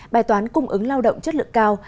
bài toán cung ứng lao động chất lượng cao